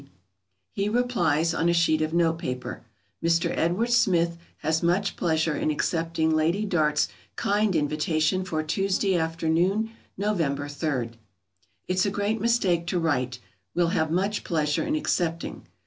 ] He replies, on a sheet of notepaper: "Mr. Edward Smith has much pleasure in accepting Lady Dart's kind invitation for Tuesday afternoon, November 3rd." [Sidenote: A great mistake.] It's a great mistake to write: "Will have much pleasure in accepting."